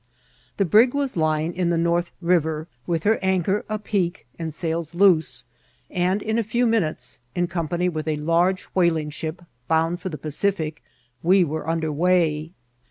The brig was lying in the North River, with her anchor apeak and sails loose, and in a few minutes, in comfcuiy with a large whaling ship bound for the Pacific, we were under way.